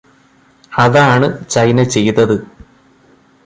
അതാണ് ചൈന ചെയ്തത്.